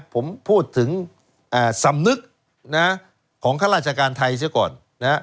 ผมพูดถึงสำนึกของข้าราชการไทยเสียก่อน